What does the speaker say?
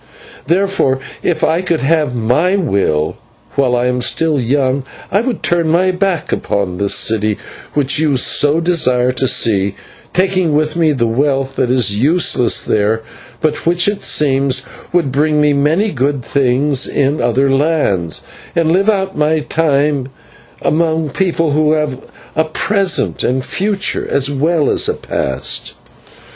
Therefore, if I could have my will, while I am still young I would turn my back upon this city which you so desire to see, taking with me the wealth that is useless there, but which, it seems, would bring me many good things in other lands, and live out my time among people who have a present and a future as well as a past."